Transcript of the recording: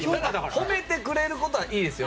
褒めてくれることはいいですよ。